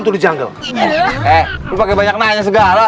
lu pake banyak nanya segala